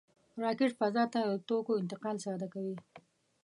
راکټ فضا ته د توکو انتقال ساده کوي